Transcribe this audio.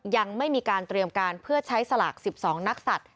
ยังไม่มีการเตรียมการเพื่อใช้สลาก๑๒นักสัตว